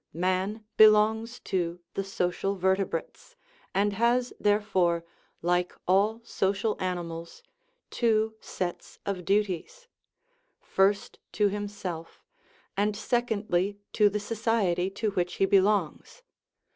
Man belongs to the social vertebrates, and has, there fore, like all social animals, two sets of duties first to himself, and secondly to the society to which he be longs.